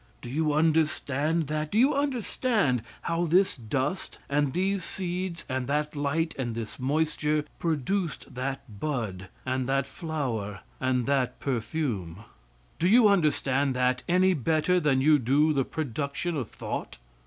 Do you understand that? Do you understand how this dust and these seeds and that light and this moisture produced that bud and that flower and that perfume? Do you understand that any better than you do the production of thought?